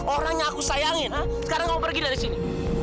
orang yang aku sayangin sekarang kamu pergi dari sini